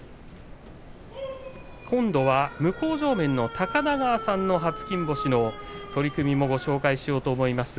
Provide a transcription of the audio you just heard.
今度は向正面の高田川さんの初金星の取組をご紹介します。